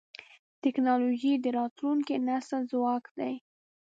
ټکنالوجي د راتلونکي نسل ځواک دی.